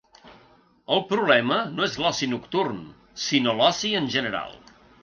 El problema no és l’oci nocturn, sinó l’oci en general.